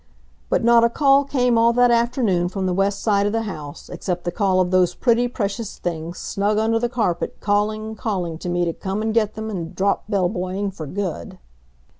But not a call came all that afternoon from the west side of the house, except the call of those pretty, precious things snug under the carpet calling, calling to me to come and get them and drop bell boying for good.